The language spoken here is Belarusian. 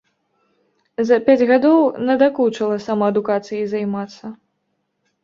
За пяць гадоў надакучыла самаадукацыяй займацца.